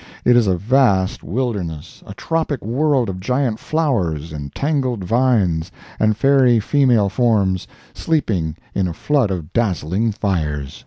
It is a vast wilderness, a tropic world of giant flowers and tangled vines and fairy female forms, sleeping in a flood of dazzling fires.